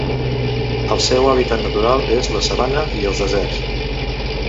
El seu hàbitat natural és la sabana i els deserts.